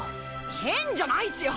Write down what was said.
変じゃないっすよ！